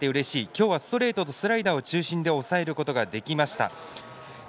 今日はストレートとスライダーを中心に抑えることができました。